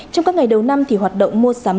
trong các ngày đầu năm thì hoạt động mua sắm